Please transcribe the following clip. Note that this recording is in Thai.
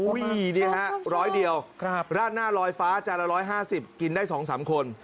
นี่ฮะร้อยเดียวราดหน้าลอยฟ้าจานละ๑๕๐กินได้๒๓คน